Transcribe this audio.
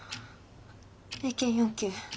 英検４級。